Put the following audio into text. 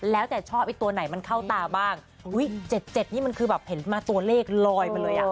แล้วแต่ชอบไอ้ตัวไหนมันเข้าตาบ้างอุ้ย๗๗นี่มันคือแบบเห็นมาตัวเลขลอยมาเลยอ่ะ